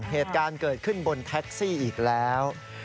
เหตุการณ์เกิดขึ้นบนแท็กซี่อีกแล้ว